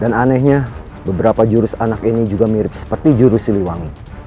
dan anehnya beberapa jurus anak ini juga mirip seperti jurus siliwangi